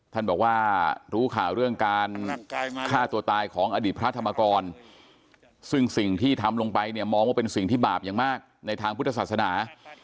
ท่านบอกว่ารู้ข่าวเรื่องการฆ่าตัวตายของอดีตพระธรรมกรซึ่งสิ่งที่ทำลงไปเนี่ยมองว่าเป็นสิ่งที่บาปอย่างมากในทางพุทธศาสนา